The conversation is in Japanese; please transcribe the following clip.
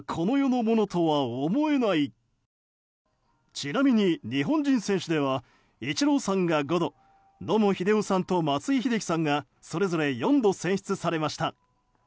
ちなみに、日本人選手ではイチローさんが５度野茂英雄さんと松井秀喜さんがそれぞれ４度選出されました。